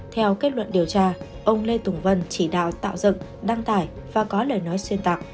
theo kết luận điều tra ông lê tùng vân chỉ đạo tạo dựng đăng tải và có lời nói xuyên tạc